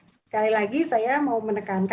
sekali lagi saya mau menekankan